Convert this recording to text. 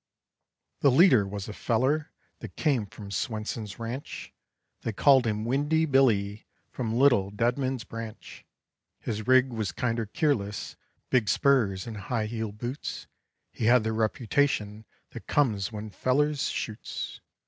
The leader was a feller that came from Swenson's ranch, They called him Windy Billy from Little Deadman's Branch. His rig was kinder keerless, big spurs and high heeled boots; He had the reputation that comes when fellers shoots.